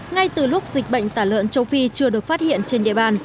ngay từ lúc dịch bệnh tả lợn châu phi chưa được phát hiện trên địa bàn